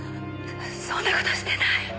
そんな事してない！